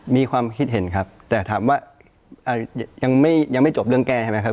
มีความคิดเห็นครับแต่ถามว่ายังไม่จบเรื่องแก้ใช่ไหมครับ